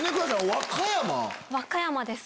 和歌山です。